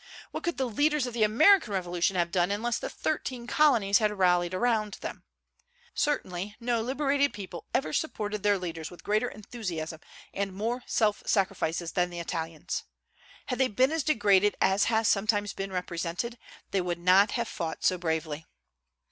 What could the leaders of the American Revolution have done unless the thirteen colonies had rallied around them? Certainly no liberated people ever supported their leaders with greater enthusiasm and more self sacrifices than the Italians. Had they been as degraded as has sometimes been represented, they would not have fought so bravely.